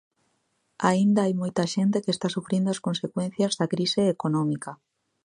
Aínda hai moita xente que está sufrindo as consecuencias da crise económica.